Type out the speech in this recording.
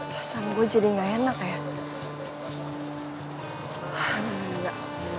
perasaan gue jadi gak enak ya